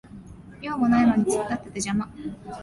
用もないのに突っ立ってて邪魔